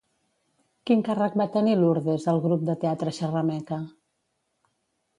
Quin càrrec va tenir Lurdes al Grup de Teatre Xerrameca?